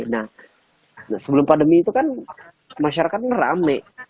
nah sebelum pandemi itu kan masyarakatnya rame